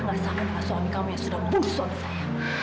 gak sama dengan suami kamu yang sudah bunuh suami saya